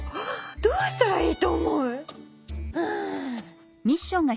どうしたらいいと思う？はあ。